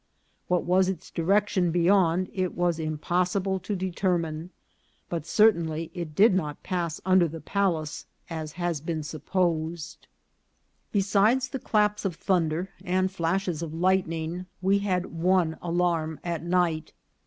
What was its direction beyond it was impossible to deter mine, but certainly it did not pass under the palace, as has been supposed. VOL. II.— S s 322 INCIDENTS OF TRAVEL. Besides the claps of thunder and flashes of lightning, we had one alarm at night.